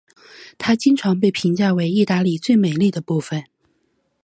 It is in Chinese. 它经常被评价为意大利的最美丽的部分。